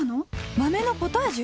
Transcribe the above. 豆のポタージュ！？